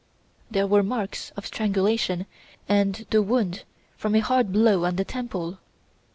There were marks of strangulation and the wound from a hard blow on the temple.